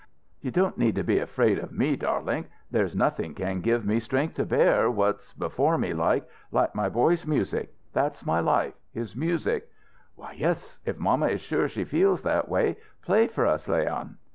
"You don't need to be afraid of me, darlink. There's nothing can give me strength to bear what's before me like like my boy's music. That's my life, his music." "Why, yes; if mamma is sure she feels that way, play for us, Leon."